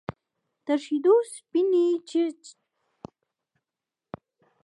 تر شیدو سپینې چینې راشنې شي